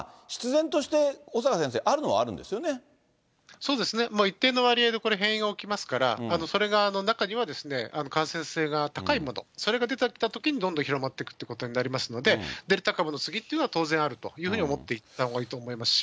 そうですね、一定の割合でこれ、変異が起きますから、それが中には感染性が高いもの、それが出てきたときに、どんどん広まっていくということになりますので、デルタ株の次っていうのは、当然あるというふうに思っていたほうがいいと思いますし。